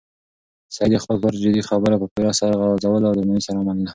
سعید د خپل پلار جدي خبره په پوره سر خوځولو او درناوي سره ومنله.